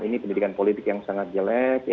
ini pendidikan politik yang sangat jelek